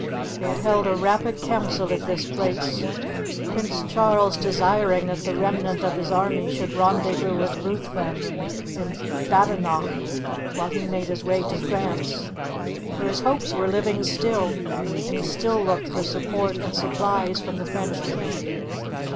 They had held a rapid council at this place, Prince Charles desiring that the remnant of his army should rendezvous at Ruthven, in Badenoch, whilst he made his way to France; for his hopes were living still, and he still looked for support and supplies from the French king.